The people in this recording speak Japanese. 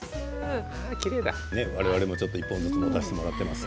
我々も１本ずつ持たせてもらっています。